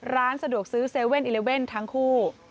ร้านสะดวกซื้อ๗๑๑ทั้งคู่